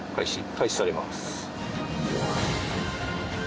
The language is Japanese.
開始されます。